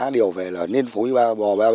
điều về là nên phối bò ba b